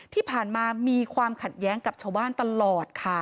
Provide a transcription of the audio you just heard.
ที่ผ่านมามีความขัดแย้งกับชาวบ้านตลอดค่ะ